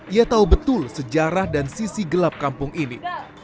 ia tahu betul sejarah dan sisi gelap kampung ini